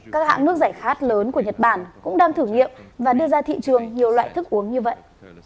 các hãng nước giải khát lớn của nhật bản cũng đang thử nghiệm và đưa ra thị trường nhiều loại thức uống như vậy